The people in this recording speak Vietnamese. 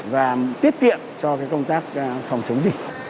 và tiết tiện cho công tác phòng chống dịch